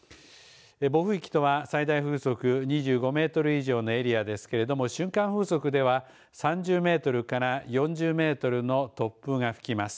暴風域とは最大風速２５メートル以上のエリアですけれども瞬間風速では３０メートルから４０メートルの突風が吹きます。